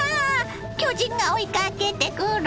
巨人が追いかけてくる！